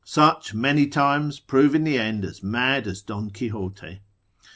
Such many times prove in the end as mad as Don Quixote.